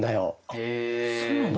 あそうなんだ。